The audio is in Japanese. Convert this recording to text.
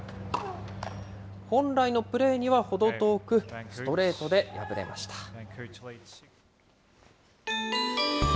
本来のプレーには程遠く、ストレートで敗れました。